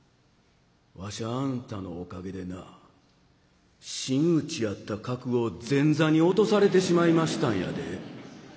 わしあんたのおかげでな真打ちやった格を前座に落とされてしまいましたんやで」。